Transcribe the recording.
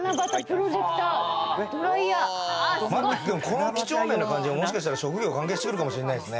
この几帳面な感じはもしかしたら職業に関係してくるかもしれないね。